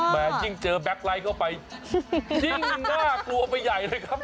ยิ่งเจอแบ็คไลท์เข้าไปยิ่งน่ากลัวไปใหญ่เลยครับ